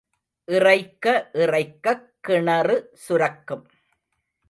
இறைக்க, இறைக்கக் கிணறு சுரக்கும்.